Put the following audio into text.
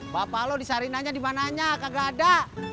bapak lo disari nanya dimananya kagak ada